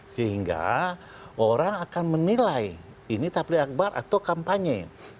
sehingga orang akan menilai ini tabli akbar atau kampanye